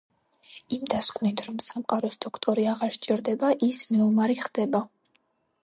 იმ დასკვნით, რომ სამყაროს დოქტორი აღარ სჭირდება, ის მეომარი ხდება.